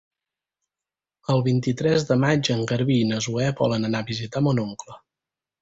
El vint-i-tres de maig en Garbí i na Zoè volen anar a visitar mon oncle.